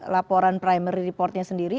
laporan primary reportnya sendiri